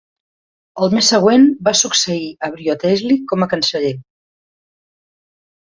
Al mes següent, va succeir a Wriothesley com a canceller.